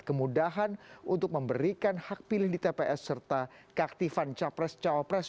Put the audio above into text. kemudahan untuk memberikan hak pilih di tps serta keaktifan capres cawapres